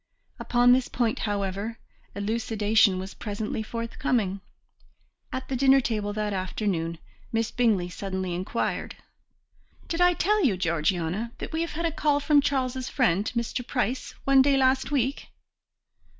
Upon this point, however, elucidation was presently forthcoming. At the dinner table that afternoon Miss Bingley suddenly inquired: "Did I tell you, Georgiana, that we had a call from Charles's friend, Mr. Price, one day last week?"